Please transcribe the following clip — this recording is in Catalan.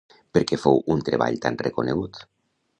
Per què fou un treball tan reconegut?